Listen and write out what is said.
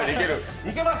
いけます！